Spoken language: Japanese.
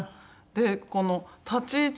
でこの立ち位置